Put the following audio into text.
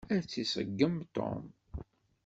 Ad tt-iṣeggem Tom.